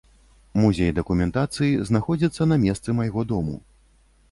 Музей дакументацыі знаходзіцца на месцы майго дому.